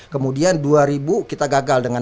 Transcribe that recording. kemudian dua ribu kita gagal dengan